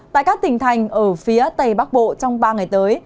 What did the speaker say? tại các tỉnh thành ở phía tây bắc bộ trong ba ngày tới